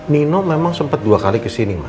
nino memang sempet dua kali kesini ma